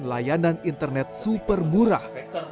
layanan internet super murah